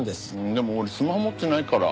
でも俺スマホ持ってないから。